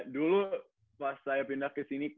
dulu pas saya pindah ke sini